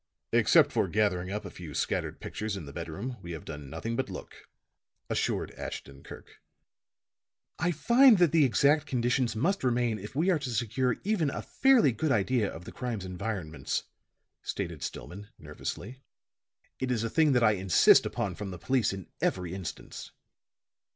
"Except for gathering up a few scattered pictures in the bedroom, we have done nothing but look," assured Ashton Kirk. "I find that the exact conditions must remain if we are to secure even a fairly good idea of the crime's environments," stated Stillman, nervously. "It is a thing that I insist upon from the police in every instance."